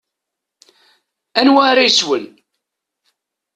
Anwa ara yeswen?